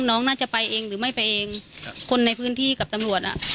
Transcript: น้องน่าจะไปเองหรือไม่ไปเองครับคนในพื้นที่กับตำรวจอ่ะ